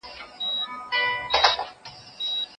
پولادي یې وه منګول کاري مشوکه